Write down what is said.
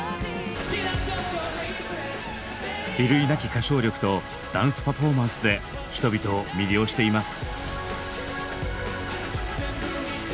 比類なき歌唱力とダンスパフォーマンスで人々を魅了しています。